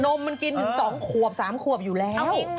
นมมันกินสองขวบสามขวบอยู่แล้ว